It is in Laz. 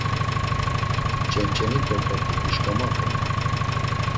Ç̌enç̌eni ǩorǩot̆i gişǩomapuni?